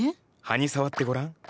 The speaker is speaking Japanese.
葉に触ってごらん。